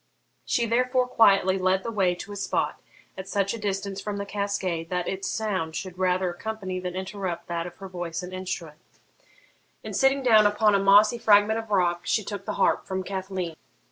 She therefore quietly led the way to a spot at such a distance from the cascade that its sound should rather accompany than interrupt that of her voice and instrument, and, sitting down upon a mossy fragment of rock, she took the harp from Cathleen.